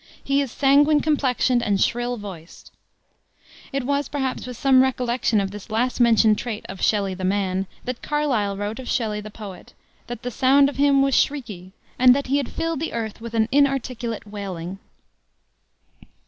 He is sanguine complexioned and shrill voiced." It was, perhaps, with some recollection of this last mentioned trait of Shelley the man, that Carlyle wrote of Shelley the poet, that "the sound of him was shrieky," and that he had "filled the earth with an inarticulate wailing."